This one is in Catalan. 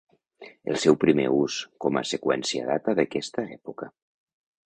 El seu primer ús com a seqüència data d'aquesta època.